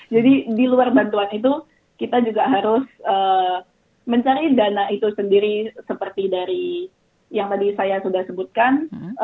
jadi di luar bantuan itu kita juga harus mencari dana itu sendiri seperti dari yang tadi saya sudah sebutkan